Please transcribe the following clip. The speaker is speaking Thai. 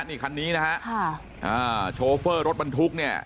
นี่คันนี้นะฮะค่ะอ่าโชเฟอร์รถบรรทุกเนี่ย